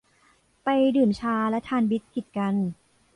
ไปดื่มชาและทานบิสกิตกัน